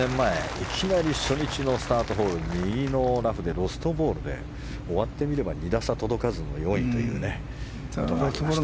いきなり初日のスタートホールで右のラフでロストボールして終わってみれば２打差届かず４位ということがありました。